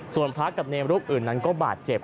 ส่วนพระกับเนรรูปอื่นนั้นก็บาดเจ็บ